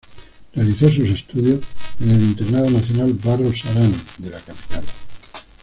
Realizó sus estudios en el Internado Nacional Barros Arana de la capital.